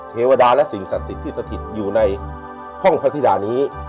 เทวดาและสิ่งศักดิ์ที่สถิตย์อยู่ในห้องพฤธิดานี้